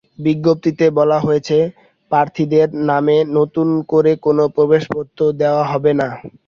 বিজ্ঞপ্তিতে বলা হয়েছে, প্রার্থীদের নামে নতুন করে কোনো প্রবেশপত্র দেওয়া হবে না।